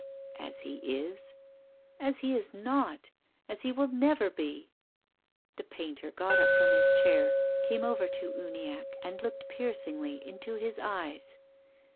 "Ashe is?" " As he is not, as he will never be." The painter got up from his chair, came over to Uniacke, and looked piercingly into his eyes.